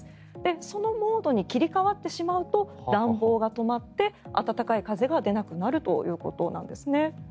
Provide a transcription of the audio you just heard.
そのモードに切り替わってしまうと暖房が止まって温かい風が出なくなるということなんです。